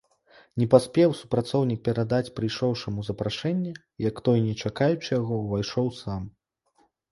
Не паспеў супрацоўнік перадаць прыйшоўшаму запрашэнне, як той, не чакаючы яго, увайшоў сам.